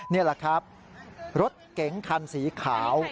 นี่แหละครับรถเก๋งคันสีขาว